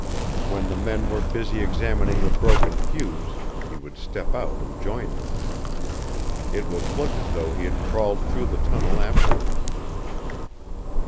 When the men were busy examining the broken fuse he would step out and join them. It would look as though he had crawled through the tunnel after them.